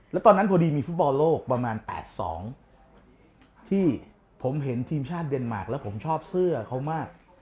แล้วตอนนั้นพอดีมีฟุตบอลโลกประมาณ๘๒ที่ผมเห็นทีมชาติเดนมาร์คแล้วผมชอบเสื้อเขามาก